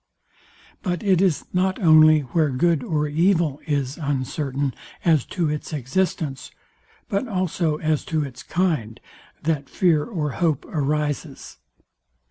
But it is not only where good or evil is uncertain, as to its existence, but also as to its kind, that fear or hope arises.